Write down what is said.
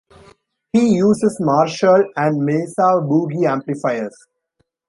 He uses Marshall and Mesa Boogie amplifiers.